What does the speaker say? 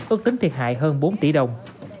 ước tính thiệt hại hơn bốn tỷ đồng